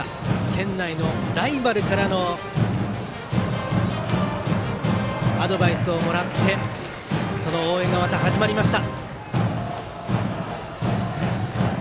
県内のライバルからのアドバイスをもらってその応援がまた始まりました。